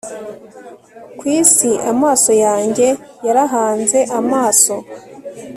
Ku isi amaso yanjye yarahanze amaso